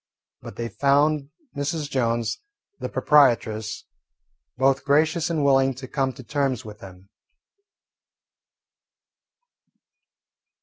But they found Mrs. Jones, the proprietress, both gracious and willing to come to terms with them.